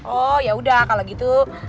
oh ya udah kalau gitu